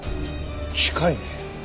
近いね。